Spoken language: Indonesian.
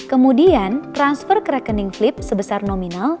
kemudian transfer ke rekening flip sebesar nominal